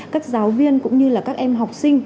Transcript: các giáo viên cũng như là các em học sinh